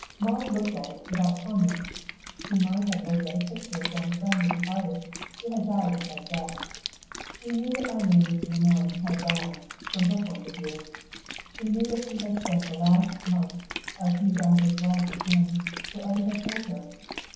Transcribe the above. Molly looked at it without comment, as she might have looked at a picture of some friend of the artist's who had died a sad death. She knew that Eileen Le Moine had died, from her point of view; she knew that she had spent the last months of Hugh Datcherd's life with him, for Eddy had told her.